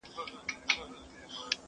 له پروازه وو لوېدلي شهپرونه,